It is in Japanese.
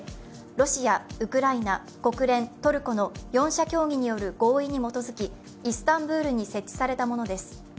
ロシア・ウクライナ・国連・トルコの４者協議による合意に基づきイスタンブールに設置されたものです。